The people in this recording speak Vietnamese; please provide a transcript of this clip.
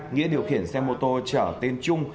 nghĩa điều khiển xe mô tô trở tên trung